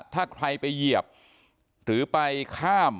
ถ้าใครไปเหยียบหรือไปข้าม